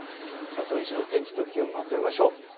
土日の天気と気温をまとめましょう。